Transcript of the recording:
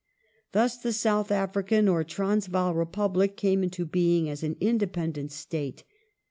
Thus the South African or Transvaal Republic came into being as an independent State.